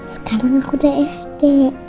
sekarang aku udah sd